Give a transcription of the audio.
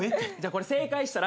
これ正解したら。